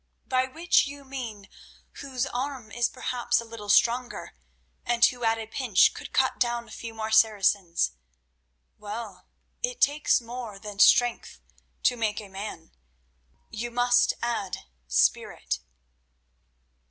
"By which you mean, whose arm is perhaps a little stronger, and who at a pinch could cut down a few more Saracens. Well, it takes more than strength to make a man—you must add spirit."